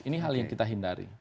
ini hal yang kita hindari